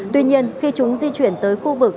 tuy nhiên khi chúng di chuyển tới khu vực